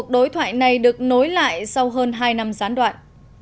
đây được nối lại sau hơn hai năm gián đoạn